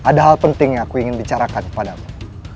ada hal penting yang aku ingin bicarakan kepadamu